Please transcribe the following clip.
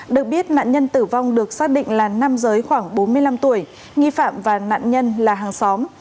được biết nạn nhân tử vong được xác định là nam giới khoảng bốn mươi năm tuổi nghi phạm và nạn nhân là hàng xóm